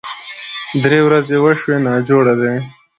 درې ورځې وشوې ناجوړه دی